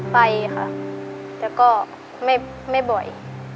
ไปค่ะแต่ก็ไม่บ่อย